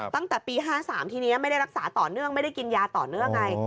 ตั้งแต่ปี๕๓ทีนี้ไม่ได้รักษาต่อเนื่องไม่ได้กินยาต่อเนื่องไง